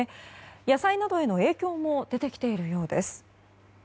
野菜などへの影響も出てきているようです。